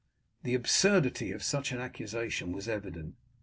The absurdity of such an accusation was evident.